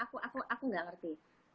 aku aku aku gak ngerti